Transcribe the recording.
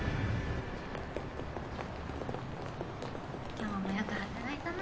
今日もよく働いたな。